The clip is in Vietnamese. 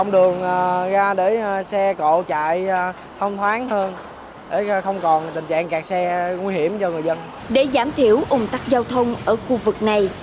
để giảm thiểu ủng tắc giao thông ở khu vực này